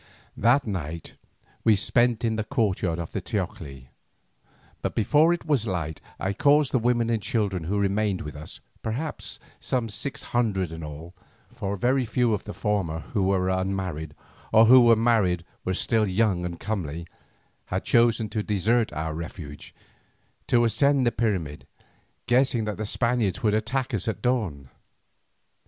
That night we spent in the courtyard of the teocalli, but before it was light I caused the women and children who remained with us, perhaps some six hundred in all, for very few of the former who were unmarried, or who being married were still young and comely, had chosen to desert our refuge, to ascend the pyramid, guessing that the Spaniards would attack us at dawn.